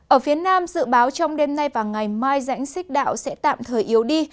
ở phía nam dự báo trong đêm nay và ngày mai rãnh xích đạo sẽ tạm thời yếu đi